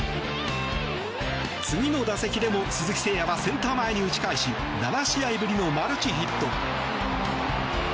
次の打席でも鈴木誠也はセンター前に打ち返し７試合ぶりのマルチヒット。